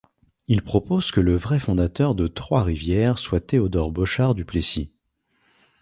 Il propose que le vrai fondateur de Trois-Rivières soit Théodore Bochart du Plessis.